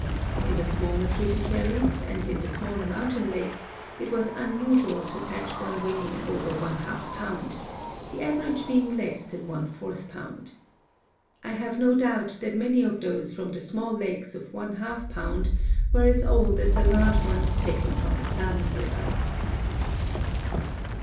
In the smaller tributaries and in the smaller mountain lakes it was unusual to catch one weighing over one half pound, the average being less than one fourth pound. I have no doubt that many of those from the small lakes of one half pound were as old as the large ones taken from the Salmon river.